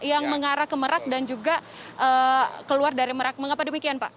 yang mengarah ke merak dan juga keluar dari merak mengapa demikian pak